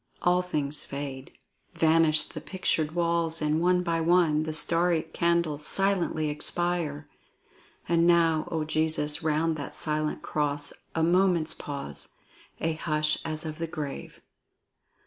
all things fade; Vanish the pictured walls! and, one by one, The starry candles silently expire! And now, O Jesus! round that silent cross A moment's pause, a hush as of the grave.